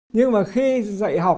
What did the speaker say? nhưng mà khi dạy học